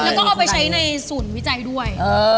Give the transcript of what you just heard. แล้วก็เอาไปใช้ในศูนย์วิจัยด้วย